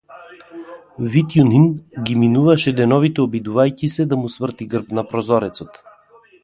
Витјунин ги минуваше деновите обидувајќи се да му сврти грб на прозорецот.